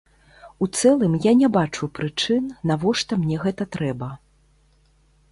У цэлым я не бачу прычын, навошта мне гэта трэба.